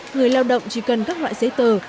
người lao động chỉ cần các loại giấy tờ